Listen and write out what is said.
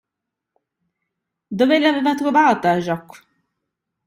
Dove l'aveva trovata Jacques?